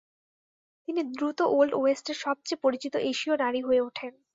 তিনি দ্রুত ওল্ড ওয়েস্টের সবচেয়ে পরিচিত এশীয় নারী হয়ে ওঠেন।